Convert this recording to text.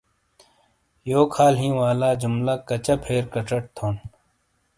"یوک حال ہیں" والا جملہ کچا پھیر کچٹ تھون؟